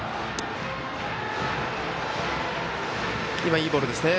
いいボールですね。